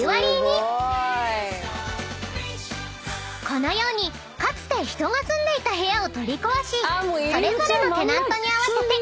［このようにかつて人が住んでいた部屋を取り壊しそれぞれのテナントに合わせて改築］